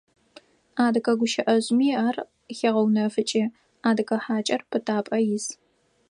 Адыгэ гущыӏэжъыми ар хегъэунэфыкӏы: «Адыгэ хьакӏэр пытапӏэ ис».